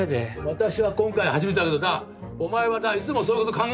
私は今回初めてだけどなお前はないつもそういう事考えてるんだろ？